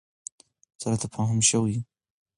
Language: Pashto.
سره تفاهم شوی ؤ